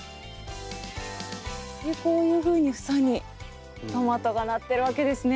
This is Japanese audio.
こういうふうに房にトマトがなってるわけですね。